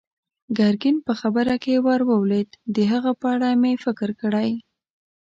ګرګين په خبره کې ور ولوېد: د هغه په اړه مې فکر کړی.